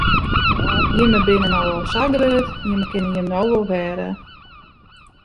Jimme binne no al sa grut, jimme kinne jim no wol rêde.